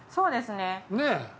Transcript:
ねえ。